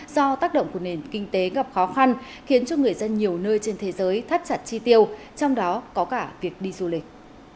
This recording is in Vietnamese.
do tác động của nền kinh tế gặp khó khăn khiến cho người dân nhiều nơi trên thế giới thắt chặt chi tiêu trong đó có cả việc đi du lịch